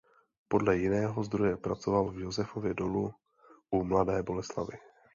Podle jiného zdroje pracoval v Josefově Dolu u Mladé Boleslavi.